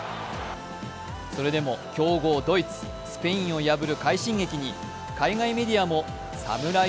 それでも強豪ドイツ、スペインを破る快進撃に海外メディアもサムライ